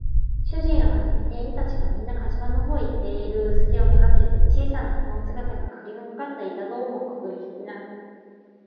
主人をはじめ店員たちが、みんな火事場のほうへ行っているすきをめがけて、小さな人の姿が、かぎのかかった板戸をくもなくあけて、